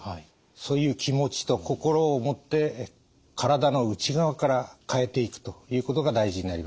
そういう気持ちと心を持って体の内側から変えていくということが大事になります。